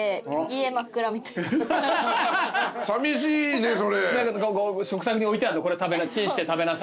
さみしいねそれ。